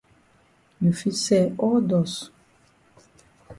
You fit sell all dust.